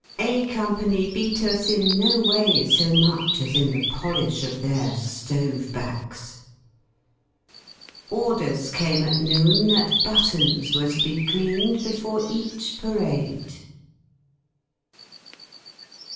A ^^^ Company beat us in no way so much as in the polish of jS A their ^ove backs. Orders came at noon that buttons were '^>Jii ^ to be cleaned before each parade.